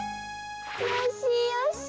よしよし。